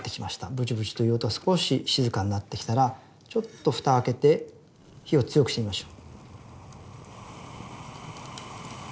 ブチブチという音が少し静かになってきたらちょっと蓋開けて火を強くしてみましょう。